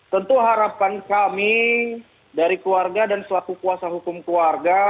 tentu harapan kami dari keluarga dan selaku kuasa hukum keluarga